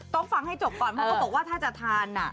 ต้องฟังให้จบก่อนเพราะว่าถ้าจะทานอ่ะ